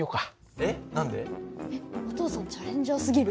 えっお父さんチャレンジャーすぎる。